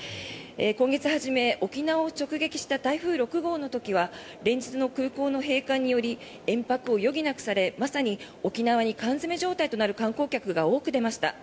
今月初め、沖縄を直撃した台風６号の時は連日の空港の閉館により延泊を余儀なくされまさに沖縄に缶詰め状態となる観光客が多く出ました。